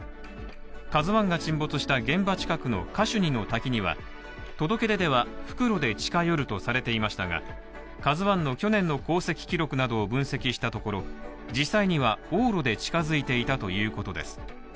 「ＫＡＺＵⅠ」が沈没した現場近くのカシュニの滝には、届け出では復路で近寄るとされていましたが、「ＫＡＺＵⅠ」の去年の航跡記録などを分析したところ実際には、実際には往路で近づいていたということです。